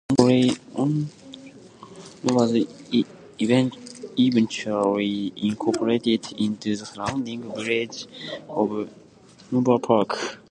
Ontarioville was eventually incorporated into the surrounding village of Hanover Park.